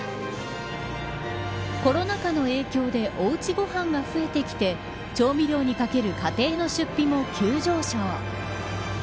コロナ禍の影響でおうちご飯が増えてきて調味料にかける家庭の出費も急上昇。